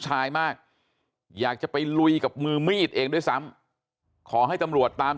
ชายมากอยากจะไปลุยกับมือมีดเองด้วยซ้ำขอให้ตำรวจตาม